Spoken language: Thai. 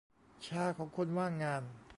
ชาของคนว่างงาน